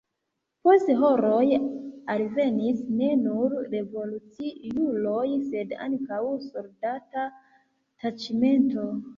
Post horoj alvenis ne nur revoluciuloj, sed ankaŭ soldata taĉmento.